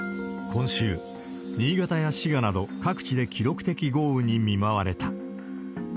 今週、新潟や滋賀など、各地で記録的豪雨に見舞われた。